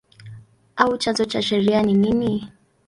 au chanzo cha sheria ni nini?